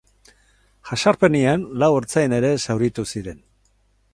Jazarpenean, lau ertzain ere zauritu ziren.